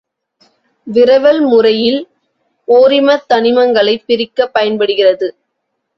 விரவல் முறையில் ஓரிமத் தனிமங்களைப் பிரிக்கப் பயன்படுகிறது.